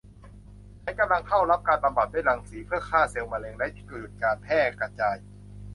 ฉันกำลังเข้ารับการบำบัดด้วยรังสี เพื่อฆ่าเซลล์มะเร็ง และหยุดการแพร่กระจาย